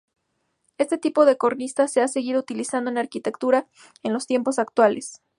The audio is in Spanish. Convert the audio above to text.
Este tipo de cornisa se ha seguido utilizando en arquitectura en los tiempos actuales.